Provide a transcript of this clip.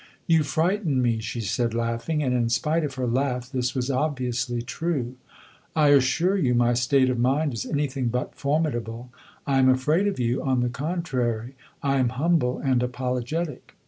"You frighten me," she said laughing; and in spite of her laugh this was obviously true. "I assure you my state of mind is anything but formidable. I am afraid of you, on the contrary; I am humble and apologetic."